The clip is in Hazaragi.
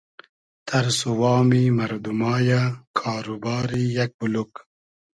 تئرس و وامی مئردوما یۂ کار و باری یئگ بولوگ